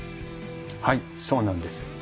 はいそうなんです。